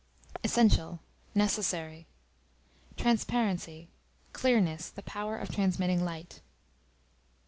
Essential, necessary. Transparency, clearness, the power of transmitting light.